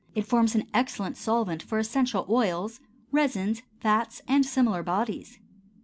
It forms an excellent solvent for essential oils, resins, fats, and similar bodies.